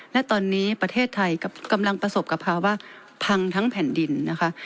และตอนนี้ประเทศไทยกำลังประสบกับภาวะพังทั้งแผ่นดินนะคะ